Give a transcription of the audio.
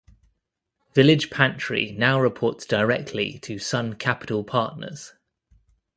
Village Pantry now reports directly to Sun Capital Partners.